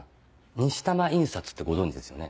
西たま印刷ってご存じですよね？